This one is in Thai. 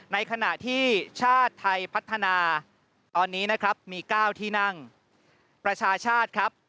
ในขณะที่ชาติไทยพัฒนาตอนนี้นะครับมี๙ที่นั่งประชาชาติครับ